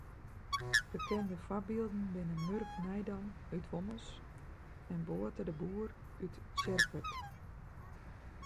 Bekende foarbylden binne Murk Nijdam út Wommels en Bote de Boer út Tsjerkwert.